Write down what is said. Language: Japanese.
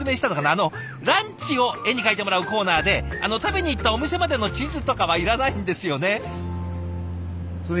あのランチを絵に描いてもらうコーナーで食べに行ったお店までの地図とかはいらないんですよね。